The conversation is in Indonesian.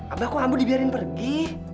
abah kok ambu dibiarin pergi